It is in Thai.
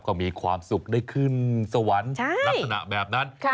ก็มีความสุขได้ขึ้นสวรรค์ลักษณะแบบนั้น